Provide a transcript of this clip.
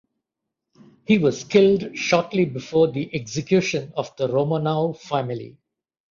He was killed shortly before the Execution of the Romanov family.